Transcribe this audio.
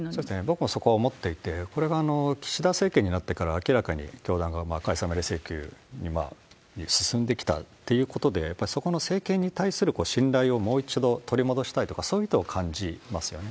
僕もそこ思っていて、岸田政権になってから明らかに教団側、解散請求には進んできたっていうことで、やっぱりそこの政権に対する信頼をもう一度取り戻したいとか、そういう意図を感じますよね。